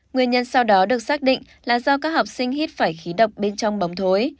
nguyên nhân sau đó được xác định là do các học sinh hít phải khí độc bên trong bóng thối